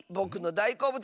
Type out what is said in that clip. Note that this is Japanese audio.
だいこうぶつ？